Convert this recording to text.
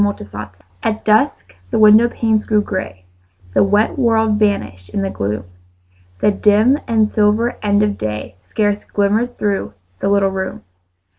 FORGIVENESS At dusk the window panes grew grey; The wet world vanished in the gloom; The dim and silver end of day Scarce glimmered through the little room.